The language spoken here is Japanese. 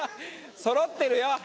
そろってるよ！